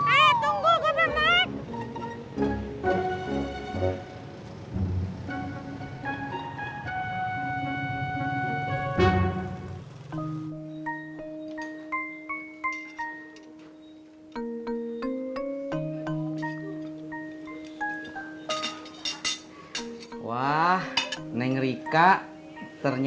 eh tunggu gue berang